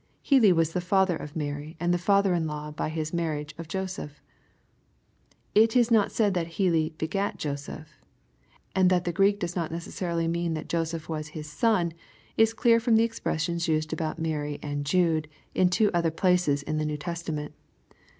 Heli was the father of Mary, and the father in law, by his marriage, of Joseph. It is not said that Hell '^ begat" Joseph ; and that the Greek does not necessarily mean that Joseph was " his son," is clear from the e^roressions used about Mary and Jude, in two other places of the New Testament.